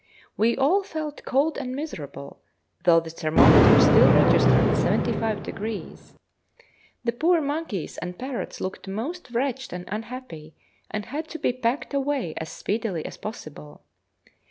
We all felt cold and miserable, though the thermometer still registered 75°. The poor monkeys and parrots looked most wretched and unhappy, and had to be packed away as speedily as possible.